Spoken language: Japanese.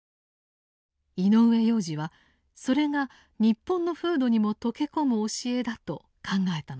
井上洋治はそれが日本の風土にも溶け込む教えだと考えたのです。